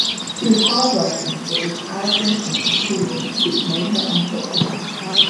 She was hard-working, but arrogant and imperious, which made her unpopular.